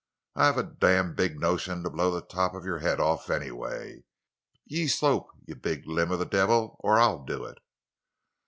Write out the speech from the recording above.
I've a domn big notion to blow the top of your head off, anny way. Ye slope, ye big limb of the divvle, or I'll do it!"